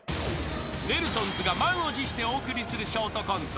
［ネルソンズが満を持してお送りするショートコント。